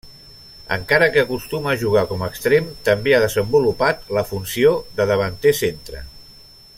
Encara que acostuma a jugar com extrem, també ha desenvolupat la funció de davanter centre.